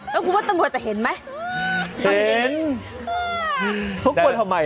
ต้องคุณว่าตำรวจจะเห็นไหม